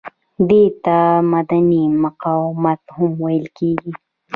دې ته مدني مقاومت هم ویل کیږي.